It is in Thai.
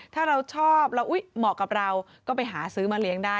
ถ้าเราชอบเราเหมาะกับเราก็ไปหาซื้อมาเลี้ยงได้